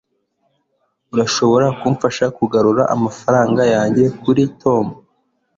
urashobora kumfasha kugarura amafaranga yanjye kuri tom